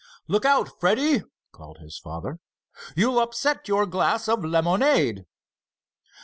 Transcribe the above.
"Look out, Freddie!" called his father. "You'll upset your glass of lemonade!"